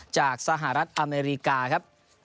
จากสหรัฐอเมริกา